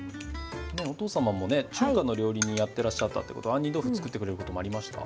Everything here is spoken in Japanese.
お父様もね中華の料理人やってらっしゃったってことは杏仁豆腐作ってくれることもありました？